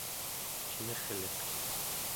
cimirliq